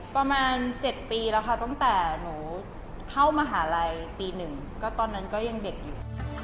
ประมาณ๗ปีแล้วค่ะตั้งแต่หนูเข้ามหาลัยปี๑ก็ตอนนั้นก็ยังเด็กอยู่